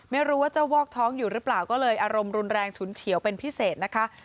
ไม่รู้ว่าเจ้าวอกท้องอยู่หรือเปล่าก็เลยอารมณ์รุนแรงฉุนเฉียวเป็นพิเศษนะคะ